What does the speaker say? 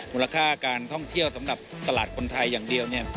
มูลค่าการท่องเที่ยวสำหรับตลาดคนไทยอย่างเดียว